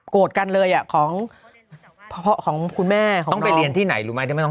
โหกันเลยอยากของพ่อของคุณแม่ของที่ไหนรู้มั้ยติดไหน